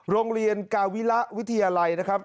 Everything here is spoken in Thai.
โรงเรียนกาวิระวิทยาลัยนะครับ